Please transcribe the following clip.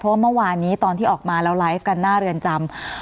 เพราะว่าเมื่อวานนี้ตอนที่ออกมาแล้วไลฟ์กันหน้าเรือนจำ